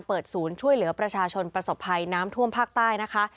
เปิดศูนย์ช่วยเหลือประชาชนประสบภัยน้ำท่วมภาคใต้นะคะ